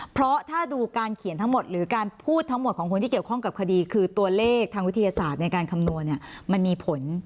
เพราะถ้าดูการเขียนทั้งหมดหรือการพูดทั้งหมดของคนที่เกี่ยวข้องกับคดีคือตัวเลขทางวิทยาศาสตร์ในการคำนวณเนี่ยมันมีผล